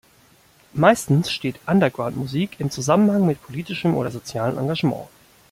Meistens steht Underground-Musik im Zusammenhang mit politischem oder sozialem Engagement.